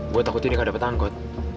gue takut ini nggak dapet angkot